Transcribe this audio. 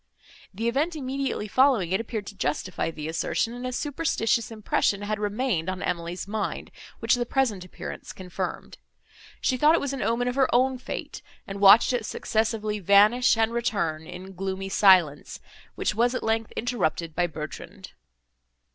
The event immediately following it appeared to justify the assertion, and a superstitious impression had remained on Emily's mind, which the present appearance confirmed. She thought it was an omen of her own fate, and watched it successively vanish and return, in gloomy silence, which was at length interrupted by Bertrand.